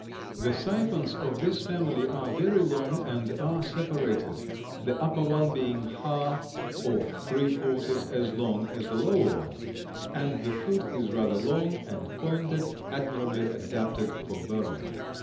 The siphons of this family are very long and are separated, the upper one being half or three quarters as long as the lower one, and the foot is rather long and pointed, admirably adapted for burrowing.